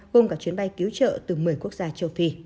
gồm cả chuyến bay cứu trợ từ một mươi quốc gia châu phi